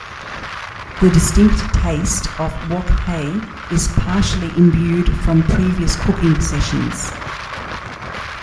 The distinct taste of wok hei is partially imbued from previous cooking sessions.